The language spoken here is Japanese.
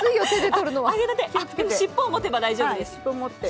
尻尾を持てば大丈夫です。